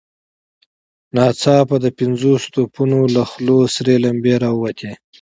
ناڅاپه د پنځوسو توپونو له خولو سرې لمبې را ووتې.